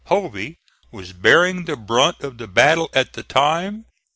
Hovey was bearing the brunt of the battle at the time.